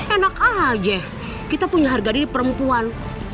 enak aja kita punya harga diri perempuan